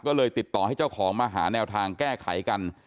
ก็เลยติดต่อให้เจ้าของมาหาแนวทางแก้ไขกัน